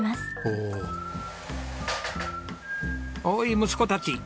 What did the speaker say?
おーい息子たち。